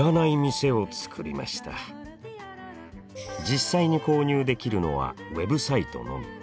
実際に購入できるのはＷＥＢサイトのみ。